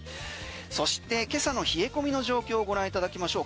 そして今朝の冷え込みの状況をご覧いただきましょう。